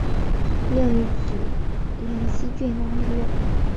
另一子灵溪郡王李咏。